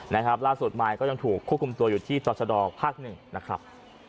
นะครับล่าสุดมายก็ยังถูกควบคุมตัวอยู่ที่จอชะดอภาคหนึ่งนะครับ